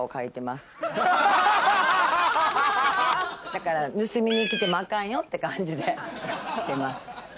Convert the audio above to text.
だから盗みに来てもアカンよって感じでしてます。